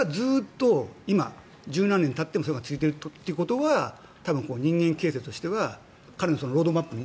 今、十何年たってもそれが続ているということは多分、人間形成としては彼のロードマップ。